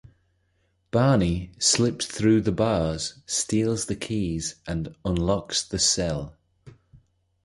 Barney slips through the bars, steals the keys, and unlocks the cell.